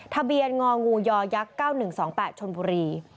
ทะเบียนงงยย๙๑๒๘ชนบุรี